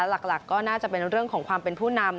หลักก็น่าจะเป็นเรื่องของความเป็นผู้นำ